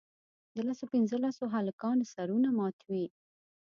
د لسو پینځلسو هلکانو سرونه مات وي.